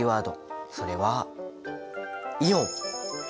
それはイオン！